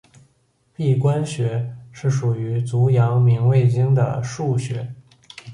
髀关穴是属于足阳明胃经的腧穴。